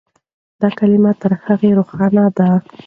دا کلمه تر هغې روښانه ده.